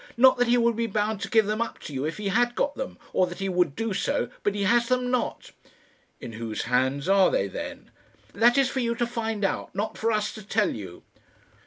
"Not that he would be bound to give them up to you if he had got them, or that he would do so; but he has them not." "In whose hands are they then?" "That is for you to find out, not for us to tell you."